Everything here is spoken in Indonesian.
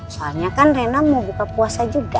soalnya kan rena mau buka puasa juga